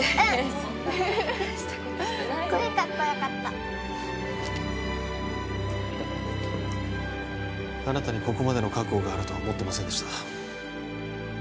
そんな大したことすっごいカッコよかったあなたにここまでの覚悟があるとは思ってませんでした